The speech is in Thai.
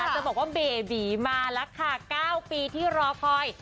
จะบอกว่าเบบีมาแล้วค่ะ๙ปีที่รอคอย